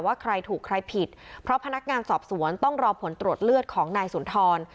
ว่าใครถูกใครผิดเพราะพนักงานสอบสวนต้องรอผลตรวจเลือดของนายสุนทร